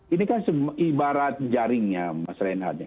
ini kan ibarat jaringnya mas reinhardt ya